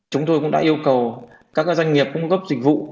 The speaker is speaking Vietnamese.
chúng tôi cũng đã yêu cầu các doanh nghiệp cung cấp dịch vụ